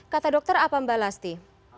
kata dokter apa mbak lasti